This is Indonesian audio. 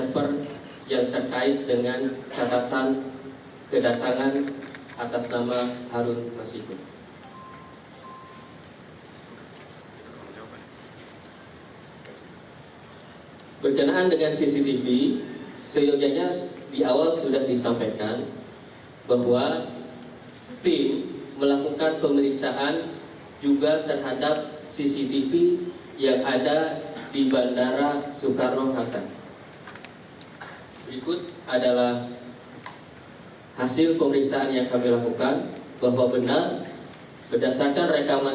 berikut adalah hasil pemeriksaan yang kami lakukan bahwa benar berdasarkan rekaman